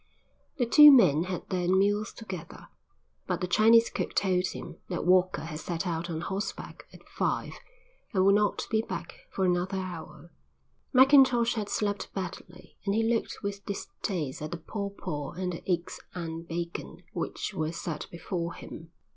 The two men had their meals together, but the Chinese cook told him that Walker had set out on horseback at five and would not be back for another hour. Mackintosh had slept badly and he looked with distaste at the paw paw and the eggs and bacon which were set before him.